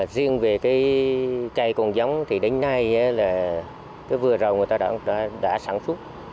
riêng về cây còn giống thì đến nay là vừa rồi người ta đã sản xuất